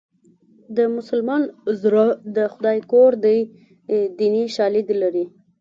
د مسلمان زړه د خدای کور دی دیني شالید لري